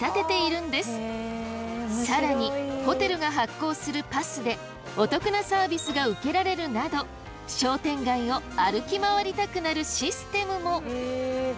更にホテルが発行するパスでお得なサービスが受けられるなど商店街を歩き回りたくなるシステムも。